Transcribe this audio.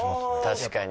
確かに。